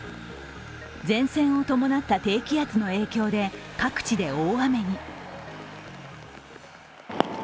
前線を伴った低気圧の影響で各地で大雨に。